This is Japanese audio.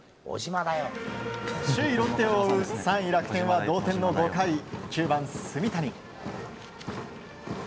首位ロッテを追う３位、楽天は同点の５回９番、炭谷。